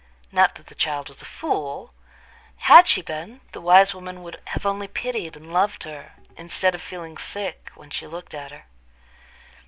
Not that the child was a fool. Had she been, the wise woman would have only pitied and loved her, instead of feeling sick when she looked at her.